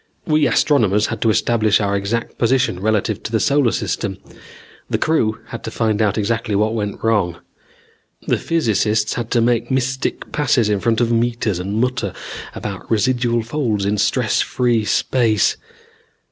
We astronomers had to establish our exact position relative to the solar system. The crew had to find out exactly what went wrong. The physicists had to make mystic passes in front of meters and mutter about residual folds in stress free space.